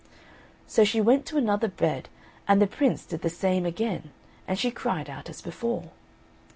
So she went to another bed and the Prince did the same again and she cried out as before.